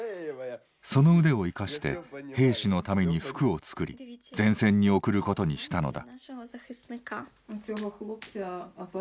その腕を生かして兵士のために服を作り前線に送ることにしたのだ。